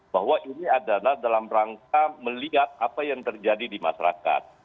bahwa ini adalah dalam rangka melihat apa yang terjadi di masyarakat